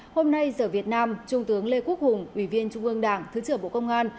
hôm nay giờ việt nam trung tướng lê quốc hùng ủy viên trung ương đảng thứ trưởng bộ công an